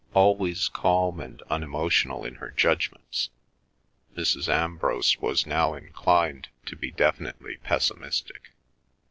Always calm and unemotional in her judgments, Mrs. Ambrose was now inclined to be definitely pessimistic.